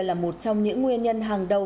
là một trong những nguyên nhân hàng đầu